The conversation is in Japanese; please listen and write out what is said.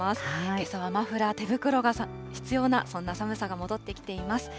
けさはマフラー、手袋が必要な、そんな寒さが戻ってきています。